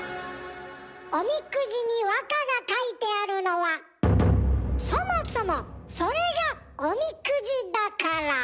おみくじに和歌が書いてあるのはそもそもそれがおみくじだから。